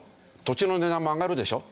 土地の値段も上がるでしょ？